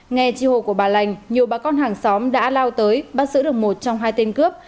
nghe chi hồ của bà lành nhiều bà con hàng xóm đã lao tới bắt giữ được một trong hai tên cướp